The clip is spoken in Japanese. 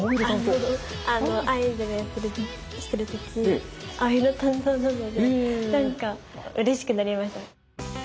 アイドルしてる時青色担当なのでなんかうれしくなりました。